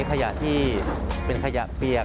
ขยะที่เป็นขยะเปียก